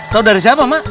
tau dari siapa mak